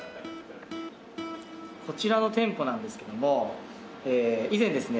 こちらの店舗なんですけども以前ですね